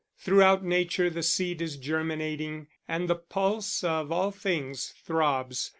Throughout nature the seed is germinating and the pulse of all things throbs.